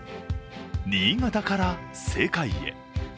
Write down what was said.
新潟から世界へ。